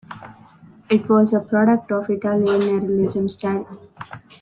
It was a product of the Italian neorealism style.